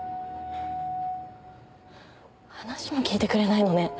話も聞いてくれないのね。